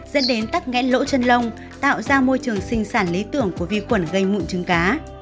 dẫn đến tắc nghẽn lỗ chân lông tạo ra môi trường sinh sản lý tưởng của vi khuẩn gây mụn trứng cá